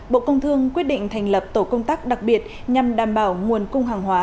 bộ công thương quyết định thành lập tổ công tác đặc biệt nhằm đảm bảo nguồn cung hàng hóa